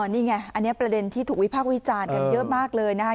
นี่ไงอันนี้ประเด็นที่ถูกวิพากษ์วิจารณ์กันเยอะมากเลยนะคะ